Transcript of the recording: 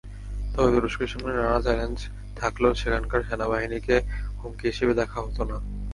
তবে তুরস্কের সামনে নানা চ্যালেঞ্জ থাকলেও সেখানকার সেনাবাহিনীকে হুমকি হিসেবে দেখা হতো না।